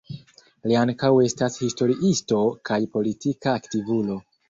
Li ankaŭ estas historiisto kaj politika aktivulo.